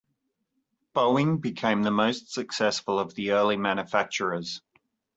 Boeing became the most successful of the early manufacturers.